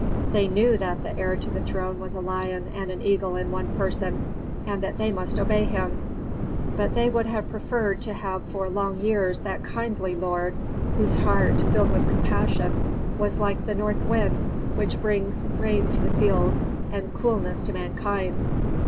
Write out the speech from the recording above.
They knew that the heir to the throne was a lion and an eagle in one person, and that they must obey him. But they would have preferred to have for long years that kindly lord, whose heart, filled with compassion, was like the north wind which brings rain to the fields and coolness to mankind.